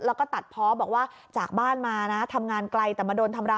แล้วก็ตัดเพาะบอกว่าจากบ้านมานะทำงานไกลแต่มาโดนทำร้าย